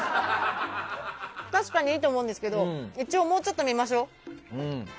確かにいいと思うんですけど一応もうちょっと見ましょう。